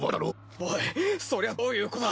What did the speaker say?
おいそりゃどういうことだ？